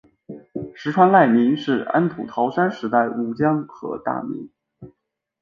石川赖明是安土桃山时代武将和大名。